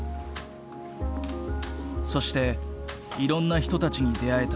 そしていろんな人たちに出会えた。